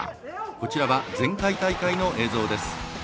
こちらは前回大会の映像です。